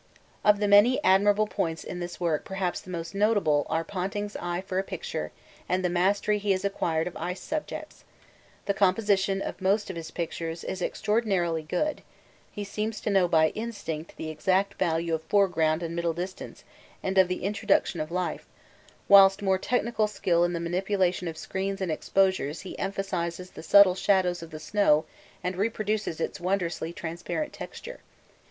Of the many admirable points in this work perhaps the most notable are Ponting's eye for a picture and the mastery he has acquired of ice subjects; the composition of most of his pictures is extraordinarily good, he seems to know by instinct the exact value of foreground and middle distance and of the introduction of 'life,' whilst with more technical skill in the manipulation of screens and exposures he emphasises the subtle shadows of the snow and reproduces its wondrously transparent texture.